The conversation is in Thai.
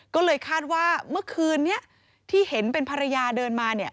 ก็เลยคาดว่าเมื่อคืนนี้ที่เห็นเป็นภรรยาเดินมาเนี่ย